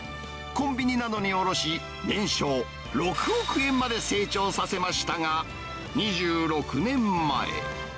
コンビニなどに卸し、年商６億円まで成長させましたが、２６年前。